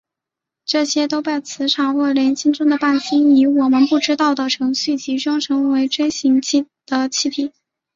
这些都被磁场或联星中的伴星以我们还不知道的程序集中成为锥形的气体。